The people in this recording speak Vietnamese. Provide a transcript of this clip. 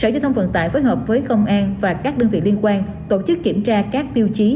tp hcm phối hợp với công an và các đơn vị liên quan tổ chức kiểm tra các tiêu chí